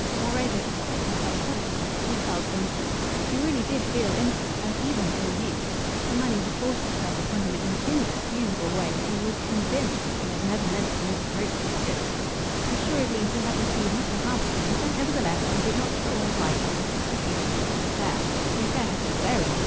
Moreover, despite his self consciousness, he felt innocent; he really did feel innocent, and even ill used. The money had forced itself upon him in an inexcusable way; he was convinced that he had never meant to misappropriate it; assuredly he had received not a halfpenny of benefit from it. The fault was entirely the old lady's. Yes, he was innocent and he was safe. Nevertheless, he did not at all like the resuscitation of the affair. The affair had been buried.